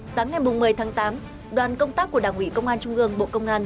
sáng ngày một mươi tháng tám đoàn công tác của đảng ủy công an trung gương bộ công an